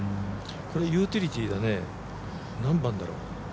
これ、ユーティリティーだね何番だろう？